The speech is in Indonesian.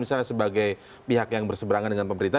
misalnya sebagai pihak yang berseberangan dengan pemerintah